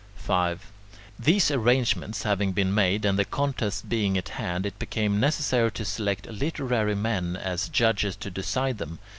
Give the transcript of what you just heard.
5. These arrangements having been made, and the contests being at hand, it became necessary to select literary men as judges to decide them.